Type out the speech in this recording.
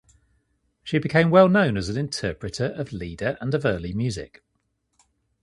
She became well known as an interpreter of Lieder and of Early Music.